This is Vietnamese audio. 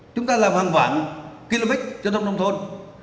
chúng ta làm hàng vạn kí lô bích cho nông thôn